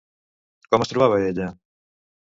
Com es trobava ella?